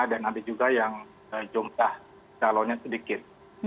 dan ada juga yang jumlah calonnya sedikit